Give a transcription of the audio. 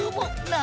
な